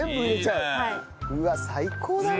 うわ最高だね。